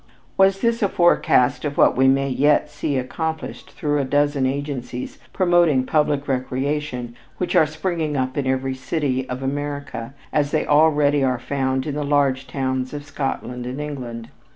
Was this a forecast of what we may yet see accomplished through a dozen agencies promoting public recreation which are springing up in every city of America, as they already are found in the large towns of Scotland and England?